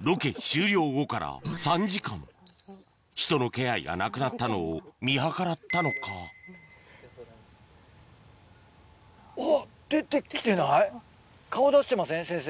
ロケ終了後から３時間人の気配がなくなったのを見計らったのか先生。